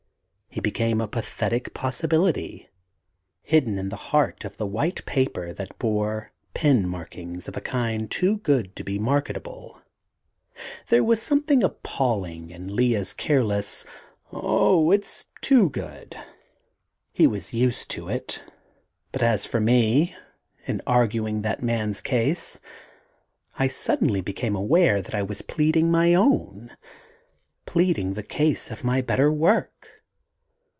He became a pathetic possibility, hidden in the heart of the white paper that bore pen markings of a kind too good to be marketable. There was something appalling in Lea's careless "Oh, it's too good!" He was used to it, but as for me, in arguing that man's case I suddenly became aware that I was pleading my own pleading the case of my better work.